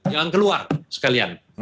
jangan keluar sekalian